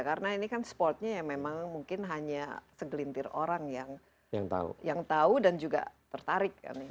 karena ini kan sportnya yang memang mungkin hanya segelintir orang yang tahu dan juga tertarik